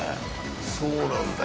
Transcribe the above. そうなんだよね。